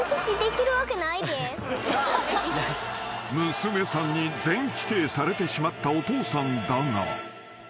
［娘さんに全否定されてしまったお父さんだが］